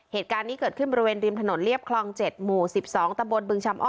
เหตุการณ์นี้เกิดขึ้นบริเวณริมถนนเรียบคลอง๗หมู่๑๒ตะบนบึงชำอ้อ